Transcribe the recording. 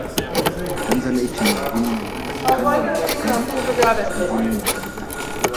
tanzanite ni madini yanayopatikana mererani kaskazini mwa tanzania